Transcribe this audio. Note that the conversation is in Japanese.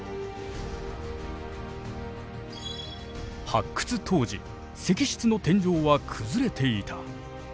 発掘当時石室の天井は崩れていた。